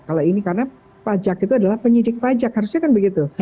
kalau ini karena pajak itu adalah penyidik pajak harusnya kan begitu